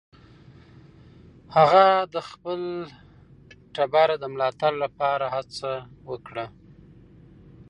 هغه د خپل ټبر د ملاتړ لپاره هڅه وکړه.